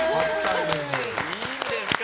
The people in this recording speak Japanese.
いいんですか？